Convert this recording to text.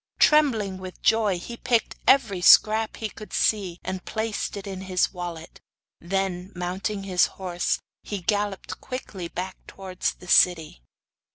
Trembling with joy, he picked every scrap he could see, and placed it in his wallet. Then, mounting his horse, he galloped quickly back towards the city.